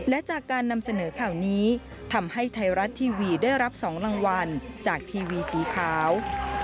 และจากการนำเสนอข่าวนี้ทำให้ไทยรัฐทีวีได้รับ๒รางวัลจากทีวีสีขาว